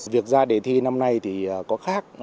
việc ra để thi năm nay thì có khác